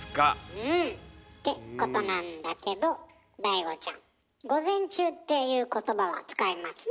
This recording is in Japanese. うん。ってことなんだけどＤＡＩＧＯちゃん「午前中」っていう言葉は使いますね？